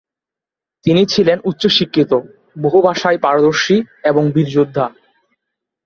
তিনি ছিলেন উচ্চশিক্ষিত, বহু ভাষায় পারদর্শী এবং বীর যোদ্ধা।